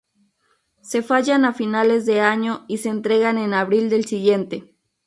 Se fallan a finales de año y se entregan en abril del siguiente.